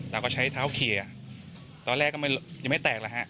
เราก็ใช้เท้าเคลียร์ตอนแรกก็ยังไม่แตกแล้วฮะ